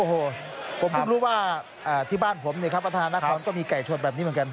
โอ้โหผมเพิ่งรู้ว่าที่บ้านผมเนี่ยครับพัฒนานครก็มีไก่ชนแบบนี้เหมือนกัน